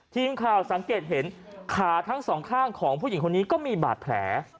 ทีมข่าวสังเกตเห็นขาทั้งสองข้างของผู้หญิงคนนี้ก็มีบาดแผล